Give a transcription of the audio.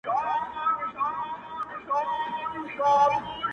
وځم له كوره له اولاده شپې نه كوم!